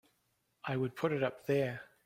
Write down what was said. I would put it up there!